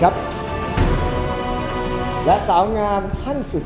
๓๓๐ครับนางสาวปริชาธิบุญยืน